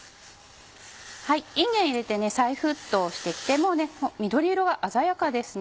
いんげん入れて再沸騰してきてもう緑色が鮮やかですね。